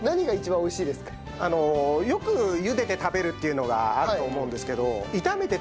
よく茹でて食べるっていうのがあると思うんですけど。